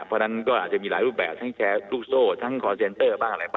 เพราะนั้นมีหลายรูปแบบทั้งแชร์ลูกโทรทั้งบ้าง